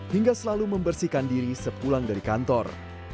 hingga selalu membersihkan diri sepulang dari kantor